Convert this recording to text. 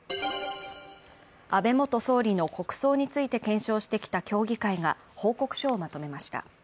安倍元総理の国葬について検証してきた協議会が報告書をまとめました。